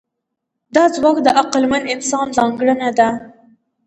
دا ځواک د عقلمن انسان ځانګړنه ده.